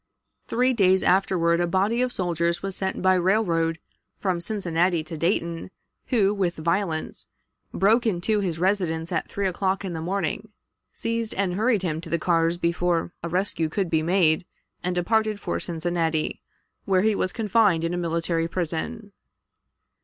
Three days afterward a body of soldiers was sent by railroad from Cincinnati to Dayton, who, with violence, broke into his residence at three o'clock in the morning, seized, and hurried him to the cars before a rescue could be made, and departed for Cincinnati, where he was confined in a military prison.